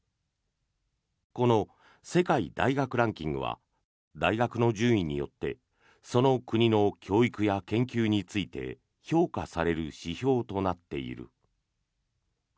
この世界大学ランキングは大学の順位によってその国の教育や研究について評価される指標となっている。